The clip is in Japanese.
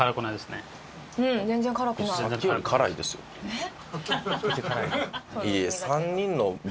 えっ？